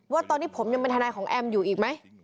ว่าตอนนี้ผมยังเป็นทนายของแอมอยู่อีกไหม